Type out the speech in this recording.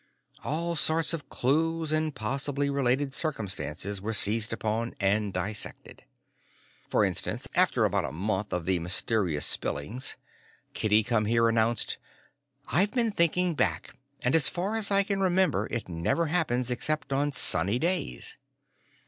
All sorts of clues and possibly related circumstances were seized upon and dissected. For instance, after about a month of the mysterious spillings, Kitty Come Here announced, "I've been thinking back and as far as I can remember it never happens except on sunny days."